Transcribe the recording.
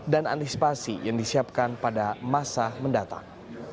dan antisipasi yang disiapkan pada masa mendatang